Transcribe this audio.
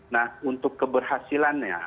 nah untuk keberhasilannya